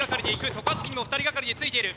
渡嘉敷にも２人がかりでついている。